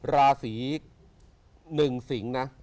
ราศี๑สิงศ์นะ